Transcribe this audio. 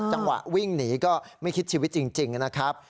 จังหวะวิ่งหนีก็ไม่คิดชีวิตจริงนะครับ